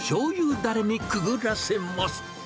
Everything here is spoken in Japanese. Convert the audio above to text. だれにくぐらせま